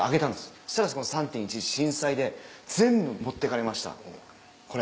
そしたら３．１１震災で全部持ってかれましたこれ。